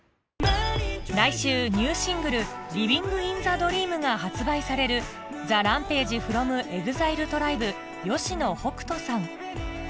来週ニューシングル『ＬＩＶＩＮＧＩＮＴＨＥＤＲＥＡＭ』が発売されるＴＨＥＲＡＭＰＡＧＥｆｒｏｍＥＸＩＬＥＴＲＩＢＥ吉野北人さん